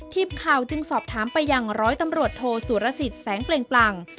ทีมข่าวจึงสอบถามไปยังร้อยตำรวจโทสุรสิทธิ์แสงเปล่งปลั่ง